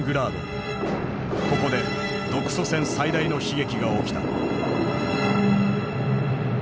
ここで独ソ戦最大の悲劇が起きた。